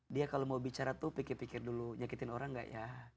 dia kalau mau bicara tuh pikir pikir dulu nyakitin orang gak ya